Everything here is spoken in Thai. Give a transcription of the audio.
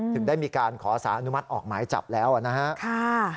ถึงได้มีการขอสารอนุมัติออกหมายจับแล้วนะครับ